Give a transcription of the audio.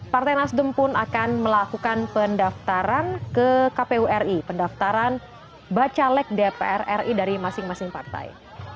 partai nasdem pun akan melakukan pendaftaran ke kpu ri pendaftaran bacalek dpr ri dari masing masing partai